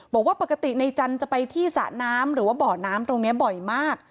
บอกว่าปกติในจันทร์จะไปที่สระน้ำหรือว่าบ่อน้ำตรงนี้บ่อยมาก